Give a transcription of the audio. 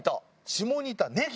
下仁田ねぎ。